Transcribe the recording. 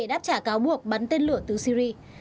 đáp trả cáo buộc bắn tên lửa từ syria